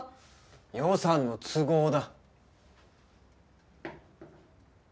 予算の都合だ。